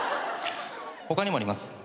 他にもあります